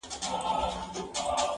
بس که نیکه دا د جنګونو کیسې!٫